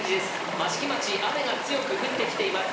益城町、雨が強く降ってきています。